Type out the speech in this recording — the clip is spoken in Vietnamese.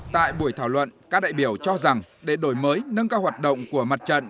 tại buổi thảo luận các đại biểu cho rằng để đổi mới nâng cao hoạt động của mặt trận